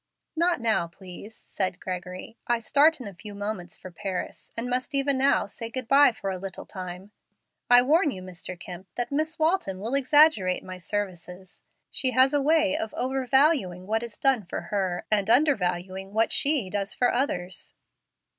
"Not now, please," said Gregory. "I start in a few moments for Paris, and must even now say good by for a little time. I warn you, Mr. Kemp, that Miss Walton will exaggerate my services. She has a way of overvaluing what is done for her, and undervaluing what she does for others."